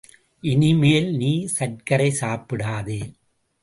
இனிமேல் நீ சர்க்கரை சாப்பிடாதே!